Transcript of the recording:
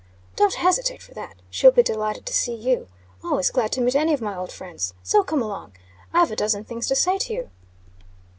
"Don't hesitate for that. She'll be delighted to see you. Always glad to meet any of my old friends. So come along. I've a dozen things to say to you."